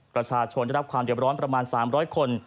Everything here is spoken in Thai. ประชาชนได้รับความเด็บร้อนประมาณ๓๐๐คน